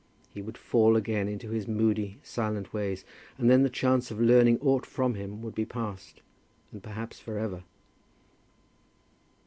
He would fall again into his moody silent ways, and then the chance of learning aught from him would be past, and perhaps, for ever.